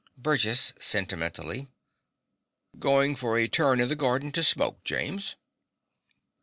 BURGESS (sentimentally). Goin' for a turn in the garden to smoke, James.